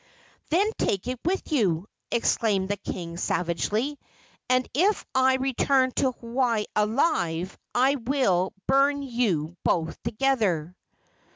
"Then take it with you!" exclaimed the king, savagely, "and if I return to Hawaii alive I will burn you both together!"